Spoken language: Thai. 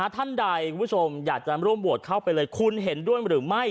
ท่านใดคุณผู้ชมอยากจะร่วมโหวตเข้าไปเลยคุณเห็นด้วยหรือไม่